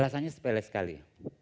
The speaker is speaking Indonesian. alasannya sepele sekali